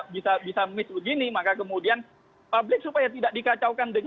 bisa miss begini maka kemudian publik supaya tidak dikacaukan